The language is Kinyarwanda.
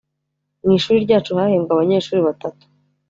mu ishuri ryacu hahembwe abanyeshuri batatu.